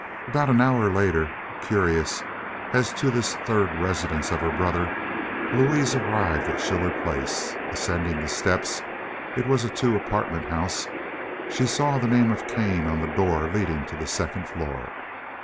About an hour later, curious as to this third residence of her brother, Louise arrived at Schiller Place. Ascending the steps—it was a two apartment house—she saw the name of Kane on the door leading to the second floor.